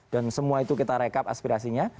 dan semua itu kita rekap aspirasinya